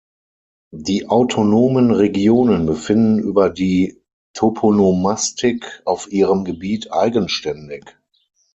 Die Autonomen Regionen befinden über die Toponomastik auf ihrem Gebiet eigenständig.